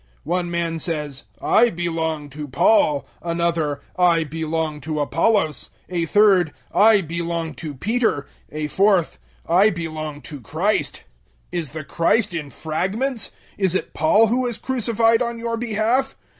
One man says "I belong to Paul;" another "I belong to Apollos;" a third "I belong to Peter;" a fourth "I belong to Christ." 001:013 Is the Christ in fragments? Is it Paul who was crucified on your behalf?